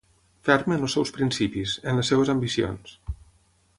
Ferm en els seus principis, en les seves ambicions.